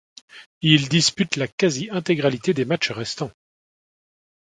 Il dispute la quasi-intégralité des matches restants.